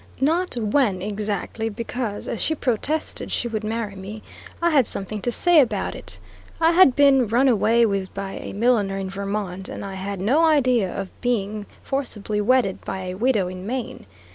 Not "when," exactly; because, as she protested she would marry me, I had something to say about it; I had been run away with by a milliner in Vermont, and I had no idea of beings forcibly wedded by a widow in Maine.